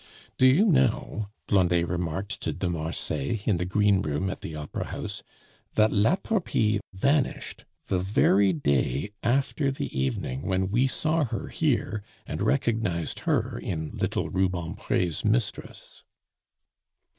"Do you know," Blondet remarked to de Marsay in the greenroom at the opera house, "that La Torpille vanished the very day after the evening when we saw her here and recognized her in little Rubempre's mistress."